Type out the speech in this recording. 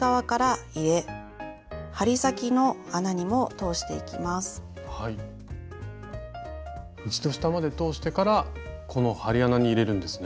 そして下まで通してからこの針穴に入れるんですね？